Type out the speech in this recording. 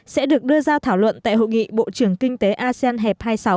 sẽ được đưa ra thảo luận tại hội nghị bộ trưởng kinh tế asean hẹp hai mươi sáu